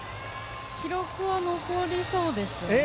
記録は残りそうですよね。